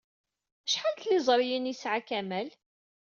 Acḥal n tliẓriyin ay yesɛa Kamal?